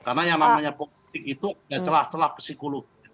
karena yang namanya politik itu celah celah psikologi